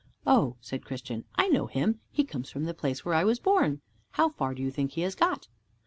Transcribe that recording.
"Oh," said Christian, "I know him. He comes from the place where I was born. How far do you think he has got?"